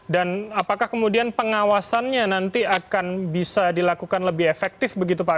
dan apakah kemudian pengawasannya nanti akan bisa dilakukan lebih efektif begitu pak